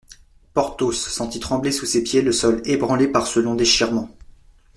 Porthos sentit trembler sous ses pieds le sol ébranlé par ce long déchirement.